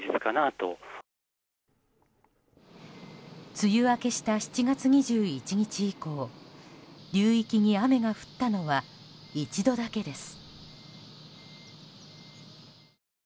梅雨明けした７月２１日以降流域に雨が降ったのは一度だけです。